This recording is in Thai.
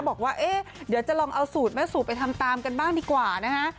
บอกว่าเอ๊ะเดี๋ยวจะลองเอาสูตรแม่สูตรไปทำตามกันบ้างดีกว่านะฮะ